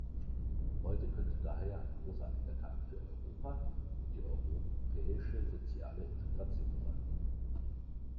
Heute könnte daher ein großartiger Tag für Europa und die europäische soziale Integration sein.